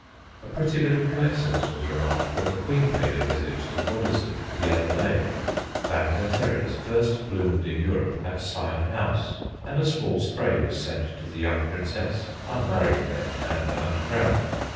A pretty little coincidence was remarked when the Queen paid a visit to Waddesdon the other day. V. teres first bloomed in Europe at Syon House, and a small spray was sent to the young Princess, unmarried then and uncrowned.